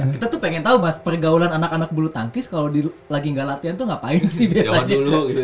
kita tuh pengen tau mas pergaulan anak anak bulu tangkis kalau lagi gak latihan tuh ngapain sih biasanya